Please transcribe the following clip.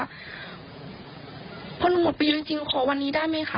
เพราะหนูหมดปีจริงขอวันนี้ได้ไหมคะ